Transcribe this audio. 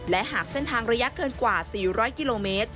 และหากเส้นทางระยะเกินกว่า๔๐๐กิโลเมตร